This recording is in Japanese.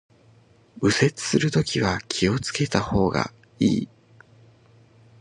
右折するときは気を付けた方がいい